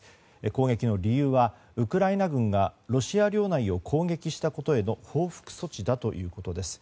攻撃の理由は、ウクライナ軍がロシア領内を攻撃したことへの報復措置だということです。